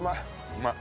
うまい。